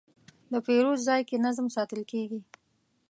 د پیرود ځای کې نظم ساتل کېږي.